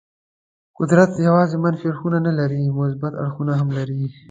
قدرت یوازې منفي اړخ نه لري، مثبت اړخونه هم لري.